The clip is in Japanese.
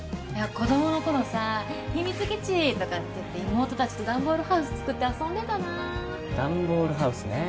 子供の頃さ「秘密基地」とかって言って妹達と段ボールハウス作って遊んでたな段ボールハウスね